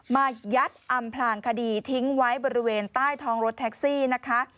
มายัดอำพลางคดีทิ้งไว้บริเวณใต้ท้องรถแท็กซี่นะคะ